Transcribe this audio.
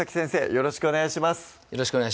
よろしくお願いします